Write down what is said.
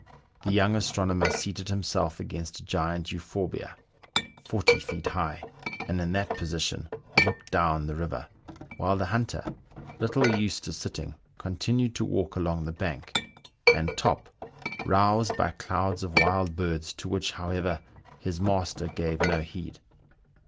The young astronomer seated himself against a giant euphorbia, forty feet high, and in that position looked down the river, while the hunter, little used to sitting, continued to walk along the bank, and Top roused up clouds of wild birds, to which, however, his master gave no heed.